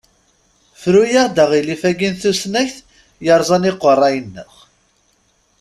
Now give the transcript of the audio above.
Fru-aɣ-d aɣilif-a n tusnakt yerẓan aqerruy-nneɣ.